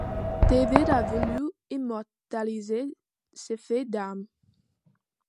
David a voulu immortaliser ce fait d'armes.